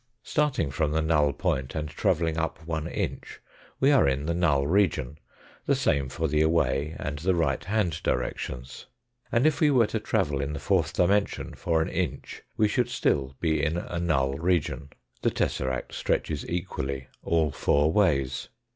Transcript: Starting from the null point and travelling up one inch we are in the null region, the same for the away and the right hand directions. And if we were to travel in the fourth dimension for an inch we should still be in a null region. The tesseract stretches equally all four ways.